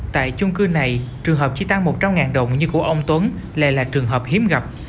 tại chung cư này trường hợp chỉ tăng một trăm linh đồng như của ông tuấn lại là trường hợp hiếm gặp